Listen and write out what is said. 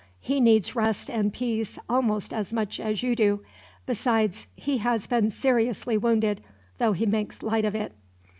He needs rest and peace almost as much as you do. Besides, he has been seriously wounded, though he makes light of it.